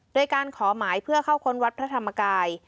โดยการขอหมายเพื่อเข้าค้นวัดพระธรรมกาย